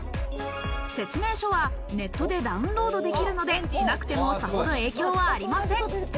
説明書はネットでダウンロードできるので、なくてもさほど影響はありません。